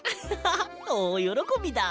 おおよろこびだ！